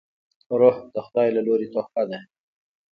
روح د خداي له لورې تحفه ده